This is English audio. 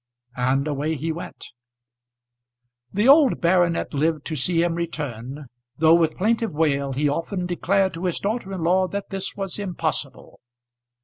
And away he went. The old baronet lived to see him return, though with plaintive wail he often declared to his daughter in law that this was impossible.